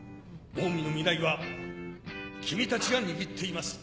オウミの未来は君たちが握っています。